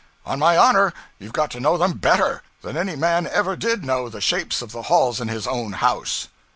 'On my honor, you've got to know them _better _than any man ever did know the shapes of the halls in his own house.'